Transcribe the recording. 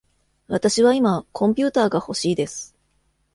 わたしは今コンピューターがほしいです。